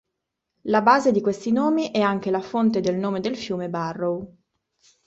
La base di questi nomi è anche la fonte del nome del fiume Barrow.